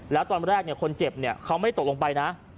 แล้วตอนแรกคนเจ็บเขาไม่ตกลงไปนะ